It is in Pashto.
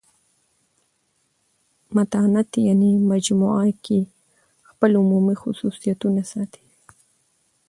متانت یعني مجموع کښي خپل عمومي خصوصیتونه ساتي.